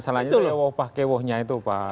masalahnya itu ya woh wah kewohnya itu pak